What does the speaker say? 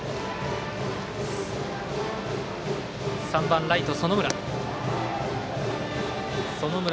３番ライト、園村。